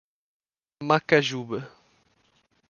Macajuba